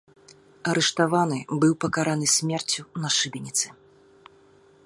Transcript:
Арыштаваны, быў пакараны смерцю на шыбеніцы.